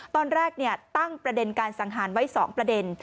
ตอนแรกตั้งประเด็นการสังหารไว้๒ประเด็น